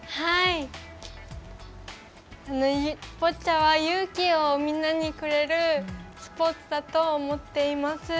ボッチャは勇気をみんなにくれるスポーツだと思っています。